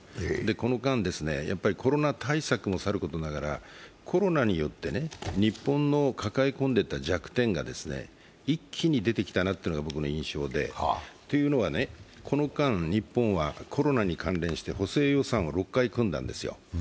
この間、コロナ対策もさることながらコロナによって日本の抱え込んでいた弱点が一気に出てきたなというのが僕の印象で、というのは、この間、日本はコロナに関連して補正予算を６回組んだんですよ。